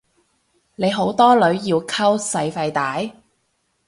你好多女要溝使費大？